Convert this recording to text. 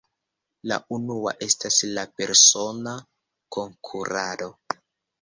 La unua estas la persona konkurado.